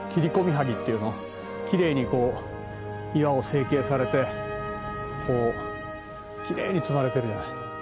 きれいにこう岩を成形されてこうきれいに積まれてるじゃない。